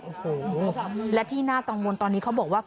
โอ้โหและที่น่ากังวลตอนนี้เขาบอกว่า